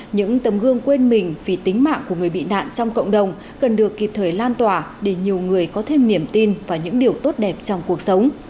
những tấm gương quên mình vì tính mạng của người bị nạn trong cộng đồng cần được kịp thời lan tỏa để nhiều người có thêm niềm tin và những điều tốt đẹp trong cuộc sống